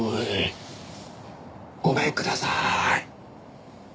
ごめんくださーい。